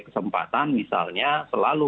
kesempatan misalnya selalu